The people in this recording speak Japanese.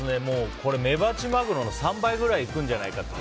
メバチマグロの３倍くらいいくんじゃないかと。